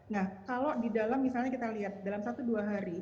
nah kalau di dalam misalnya kita lihat dalam satu dua hari